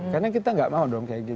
karena kita gak mau dong kayak gitu